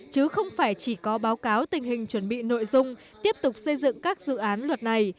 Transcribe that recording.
chứ không phải chỉ có báo cáo tình hình chuẩn bị nội dung tiếp tục xây dựng các dự án luật này